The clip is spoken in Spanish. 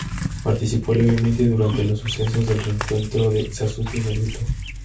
Participó levemente durante los sucesos del reencuentro de Sasuke y Naruto.